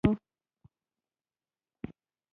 هو، دا خبیثان. زما ځواب و، چې په غوسه وو.